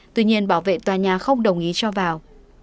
tuy nhiên bảo vệ tòa nhà không đồng ý cho vào